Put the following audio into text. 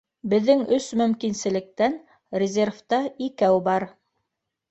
Беҙҙең өс мөмкинлектән резервта икәү бар